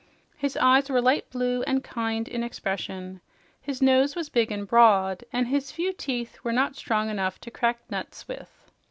His eyes were light blue and kind in expression. His nose was big and broad, and his few teeth were not strong enough to crack nuts with.